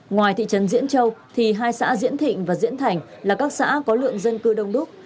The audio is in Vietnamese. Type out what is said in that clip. ngoài thị trấn diễn châu thì hai xã diễn thịnh và diễn thành là các xã có lượng dân cư đông đúc